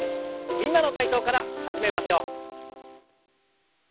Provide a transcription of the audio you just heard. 「みんなの体操」から始めましょう。